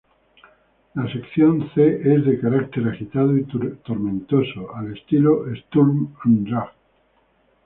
La sección C es de carácter agitado y tormentoso, al estilo Sturm und Drang.